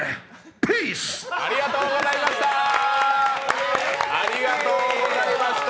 Ｐｅａｃｅ★ありがとうございました！